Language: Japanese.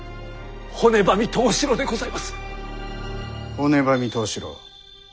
骨喰藤四郎。